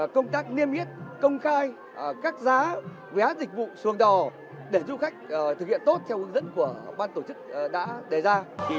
công tác niêm yết công khai các giá vé dịch vụ xuồng đò để du khách thực hiện tốt theo hướng dẫn của ban tổ chức đã đề ra